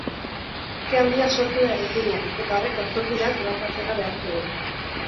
Ke handia sortu da eraikinean eta horrek auzokideak ebakuatzera behartu du.